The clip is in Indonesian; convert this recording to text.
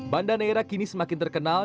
banda neira kini semakin terkenal